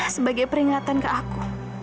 sebagai peringatan ke aku